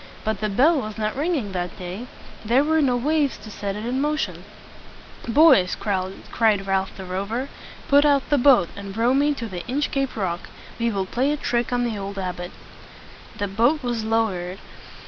But the bell was not ringing that day. There were no waves to set it in motion. "Boys!" cried Ralph the Rover; "put out the boat, and row me to the Inchcape Rock. We will play a trick on the old abbot." The boat was low ered.